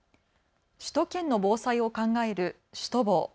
首都圏の防災を考えるシュトボー。